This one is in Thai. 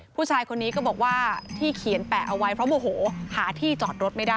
ผู้ชายคนนี้ก็บอกว่าที่เขียนแปะเอาไว้เพราะโมโหหาที่จอดรถไม่ได้